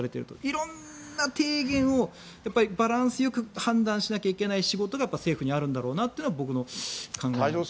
色んな提言をバランスよく判断しなきゃいけない仕事が政府にあるんだろうなというのが僕の考えです。